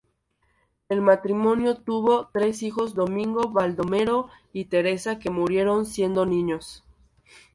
El matrimonio tuvo tres hijos Domingo, Baldomero y Teresa que murieron siendo niños.